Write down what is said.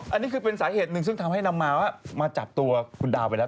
อันนี้คือเป็นสาเหตุหนึ่งซึ่งทำให้นำมาว่ามาจับตัวคุณดาวไปแล้ว